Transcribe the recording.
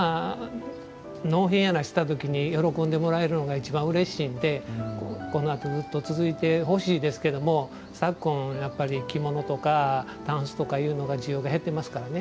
納品やらした時に喜んでもらえるのがいちばんうれしいんでこのあとずっと続いてほしいですけども昨今やっぱり着物とかたんすとかいうのが需要が減ってますからね。